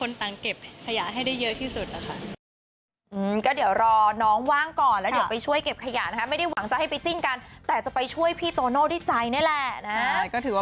เราไปแล้วก็ไปช่วยกันไม่ได้ไปจิ้นหรอกค่ะ